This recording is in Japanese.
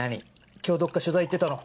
今日どっか取材行ってたの？